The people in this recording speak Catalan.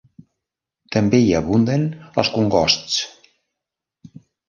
També hi abunden els congosts.